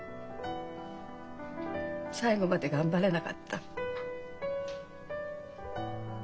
最後まで頑張れなかった。